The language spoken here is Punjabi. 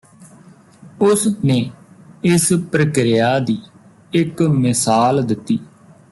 ਉਸ ਨੇ ਇਸ ਪ੍ਰਕਿਰਿਆ ਦੀ ਇੱਕ ਮਿਸਾਲ ਦਿੱਤੀ